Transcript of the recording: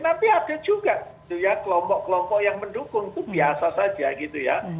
tapi ada juga kelompok kelompok yang mendukung itu biasa saja gitu ya